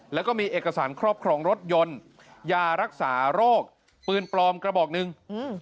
แล้วก็มีเอกสารครอบครองรถยนต์ยารักษาโรคปืนปลอมกระบอกหนึ่งอืม